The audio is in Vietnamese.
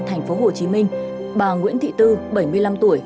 tp hcm bà nguyễn thị tư bảy mươi năm tuổi